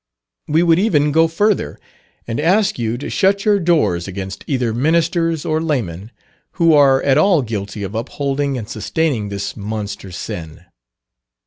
We would even go further, and ask you to shut your doors against either ministers or laymen, who are at all guilty of upholding and sustaining this monster sin.